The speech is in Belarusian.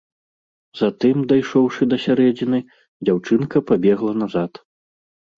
Затым, дайшоўшы да сярэдзіны, дзяўчынка пабегла назад.